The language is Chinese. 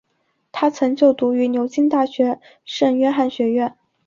他曾就读于牛津大学圣约翰学院。